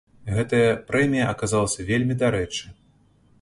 Гэтая прэмія аказалася вельмі дарэчы.